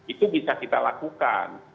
itu bisa kita lakukan